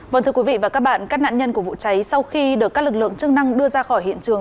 vâng thưa quý vị và các bạn các nạn nhân của vụ cháy sau khi được các lực lượng chức năng đưa ra khỏi hiện trường